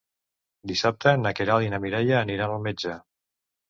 Dissabte na Queralt i na Mireia aniran al metge.